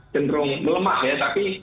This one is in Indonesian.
cenderung melemah ya tapi